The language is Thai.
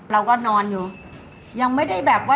รู้สึกว่า